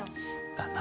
だな。